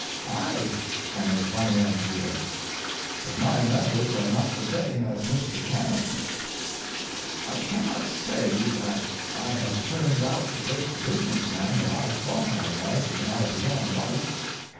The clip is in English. I am a financier. But my methods are not the same as Mr. Cannon's. I cannot say that I have turned out the great business man that I thought I was when I began life.